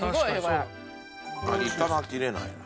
イカが切れないな。